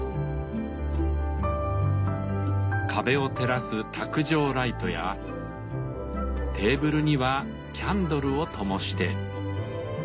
壁を照らす卓上ライトやテーブルにはキャンドルをともして。